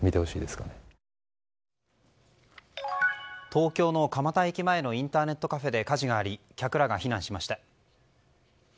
東京の蒲田駅前のインターネットカフェで火事があり客らが避難しました。